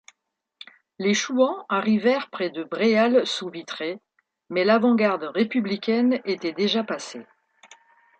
Les Chouans arrivèrent près de Bréal-sous-Vitré, mais l'avant-garde républicaine était déjà passée.